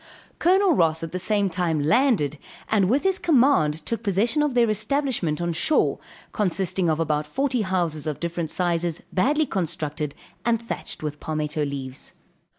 Col. Ross at the same time landed, and with his command took possession of their establishment on shore, consisting of about forty houses of different sizes, badly constructed, and thatched with palmetto leaves.